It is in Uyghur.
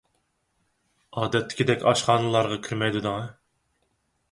ئادەتتىكىدەك ئاشخانىلارغا كىرمەيدۇ دەڭە.